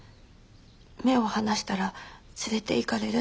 目を離したら連れていかれるって。